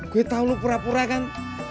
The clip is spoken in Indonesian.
gue tau lo pura pura kan